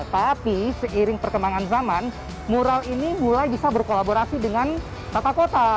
tapi seiring perkembangan zaman mural ini mulai bisa berkolaborasi dengan tata kota